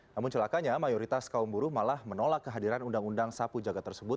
namun celakanya mayoritas kaum buruh malah menolak kehadiran undang undang sapu jaga tersebut